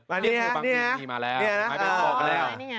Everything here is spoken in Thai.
แล้วนี่ไงนี่ไงนี่มาแล้วนี่ไงนะไม้เบสบอลกันแล้วนี่ไง